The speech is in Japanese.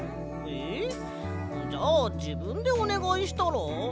ええ？じゃあじぶんでおねがいしたら？